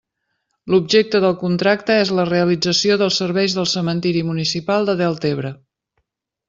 L'objecte del contracte és la realització dels serveis del cementiri municipal de Deltebre.